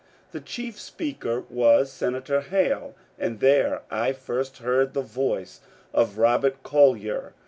The chief speaker was Sen ator Hale, and there I first heard the voice of Robert Collyer.